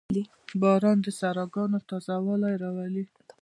• باران د صحراګانو تازهوالی راولي.